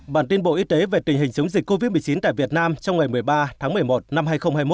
bản tin bộ y tế về tình hình chống dịch covid một mươi chín tại việt nam trong ngày một mươi ba tháng một mươi một năm hai nghìn hai mươi một